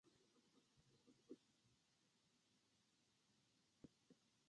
ペンギンが砂漠を歩いて、「場違いだけど、冒険は楽しい！」と言った。